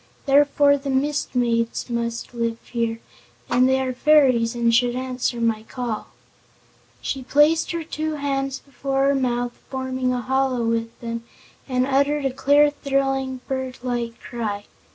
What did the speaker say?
Therefore the Mist Maids must live here, and they are fairies and should answer my call." She placed her two hands before her mouth, forming a hollow with them, and uttered a clear, thrilling, bird like cry.